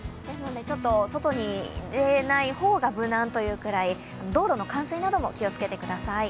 外に出ない方が無難というぐらい道路の冠水なども気をつけてください。